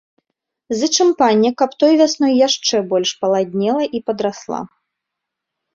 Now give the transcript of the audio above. Зычым панне, каб той вясной яшчэ больш паладнела і падрасла.